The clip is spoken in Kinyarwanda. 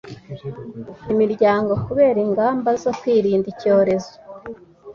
imiryango kubera ingamba zo kwirinda icyorezo